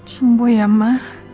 sembuh ya ma